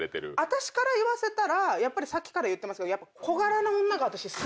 私から言わせたらさっきから言ってますけど。